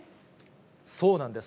そうなんです。